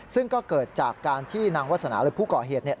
ซึ่งก็เกิดจากการที่นางวัฒนาหรือผู้เกาะเหตุเนี่ย